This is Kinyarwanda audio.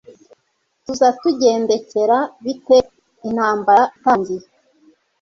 Tuzatugendekera bite intambara itangiye?